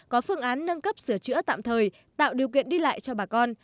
có phương án nâng cấp sửa chữa tạm thời tạo điều kiện đi lại cho bà con